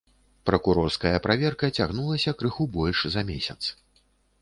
Пракурорская праверка цягнулася крыху больш за месяц.